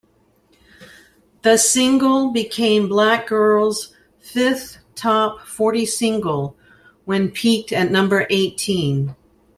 The single became BlackGirl's fifth Top forty single, when peaked at number eighteen.